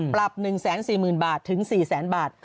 ปรับ๑๔๐๐๐๐บาทถึง๔๐๐๐๐๐บาท